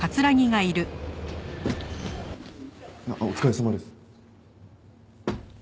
あっお疲れさまです。